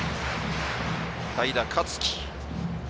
代打、香月。